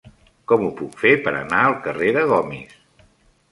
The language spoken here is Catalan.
Com ho puc fer per anar al carrer de Gomis?